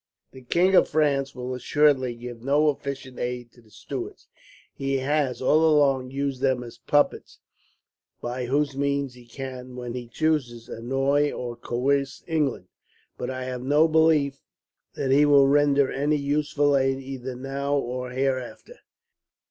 "The King of France will assuredly give no efficient aid to the Stuarts. He has all along used them as puppets, by whose means he can, when he chooses, annoy or coerce England. But I have no belief that he will render any useful aid, either now or hereafter.